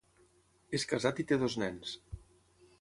És casat i té dos nens.